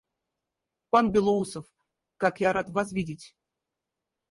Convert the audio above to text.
Пан Белоусов, как я рад вас видеть!